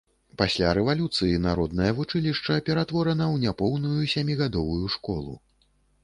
Пасля рэвалюцыі народнае вучылішча ператворана ў няпоўную сямігадовую школу.